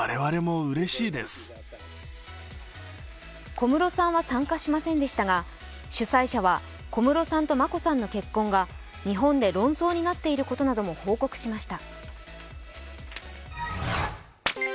小室さんは参加しませんでしたが、主催者は小室さんと眞子さんの結婚が日本で論争になっていることなども報告しました。